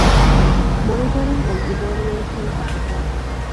މޮނީޓަރިންގ އެންޑް އިވެލުއޭޝަން އޮފިސަރ